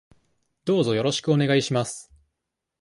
どうぞよろしくお願いします。